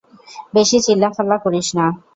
বেশি চিল্লাফাল্লা করিস না।